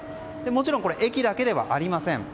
もちろん、駅だけではありません。